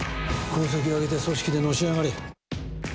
功績を上げて、組織でのし上がれ。